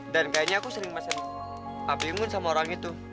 dan kayaknya aku sering masen api ungu sama orang itu